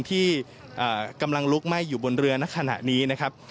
ที่กำลังลุกไหม้อยู่บนเรือในขณะนี้นะครับ